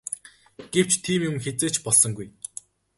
Гэвч тийм юм хэзээ ч болсонгүй.